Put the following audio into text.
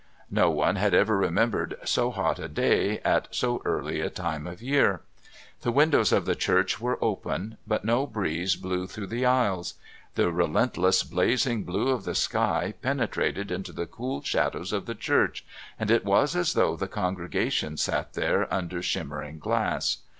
No one had ever remembered so hot a day at so early a time of year. The windows of the church were open, but no breeze blew through the aisles. The relentless blazing blue of the sky penetrated into the cool shadows of the church, and it was as though the congregation sat there under shimmering glass.